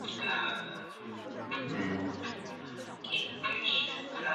邻苯二胺由邻硝基苯胺的硫化钠还原或催化氢化还原得到。